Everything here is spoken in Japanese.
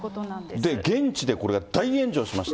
現地でこれが大炎上しまして。